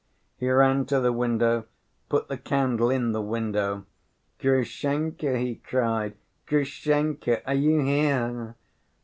He ran to the window, put the candle in the window. 'Grushenka,' he cried, 'Grushenka, are you here?